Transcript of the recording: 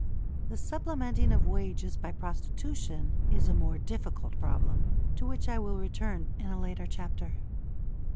The supplementing of wages by prostitution is a more difficult problem, to which I will return in a later chapter.